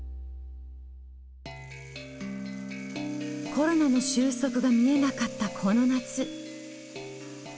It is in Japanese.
コロナの収束が見えなかったこの夏。